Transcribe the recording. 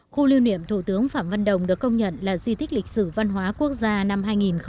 khu lưu niệm thủ tướng phạm văn đồng được công nhận là di tích lịch sử văn hóa quốc gia năm hai nghìn một mươi